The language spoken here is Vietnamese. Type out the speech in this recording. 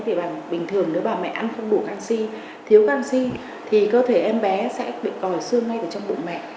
thì bình thường nếu bà mẹ ăn không đủ canxi thiếu canxi thì cơ thể em bé sẽ bị còi xương ngay ở trong bụng mẹ